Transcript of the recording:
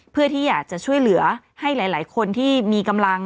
เพื่อที่อยากจะช่วยเหลือให้หลายคนที่มีกำลัง